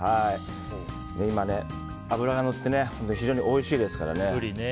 今、脂がのって非常においしいですから。